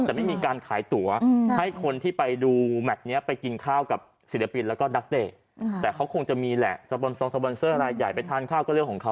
ช่างไปแต่ไม่มีการขายตั๋ว